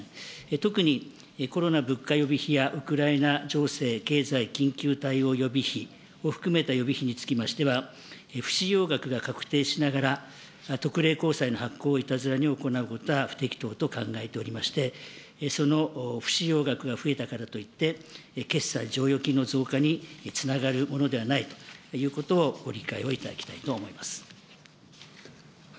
特に、コロナ物価予備費やウクライナ情勢経済緊急対応予備費を含めた予備費につきましては、不使用額が確定しながら、特例公債の発行をいたずらに行うことは不適当と考えておりまして、その不使用額が増えたからといって、決算剰余金の増加につながるものではないということをご理解をいただきたいと思います。